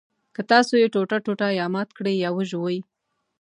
که تاسو یې ټوټه ټوټه یا مات کړئ یا وژوئ.